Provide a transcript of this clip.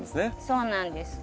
そうなんです。